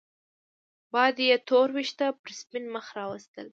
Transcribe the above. باد يې تور وېښته پر سپين مخ راوستل